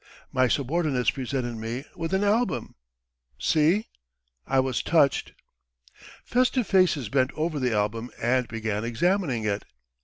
My subordinates presented me with an album ... see! I was touched." Festive faces bent over the album and began examining it.